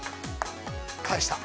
返した。